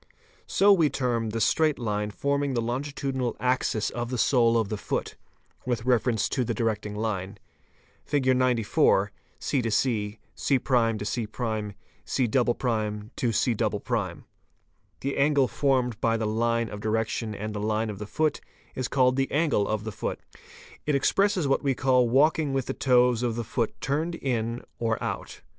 So we term the straight line forming the longitudinal axis of the sole of the foot, with reference to the directing line, Fig. 94, cc, c'c', ec". The angle formed by the line of direction and the line of the foot is — called the angle of the foot. It expresses what we call walking with the © toes of the foot turned in or out.